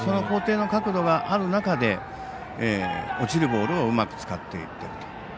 高低の角度がある中で落ちるボールをうまく使っている。